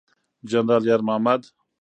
جنرال یار محمد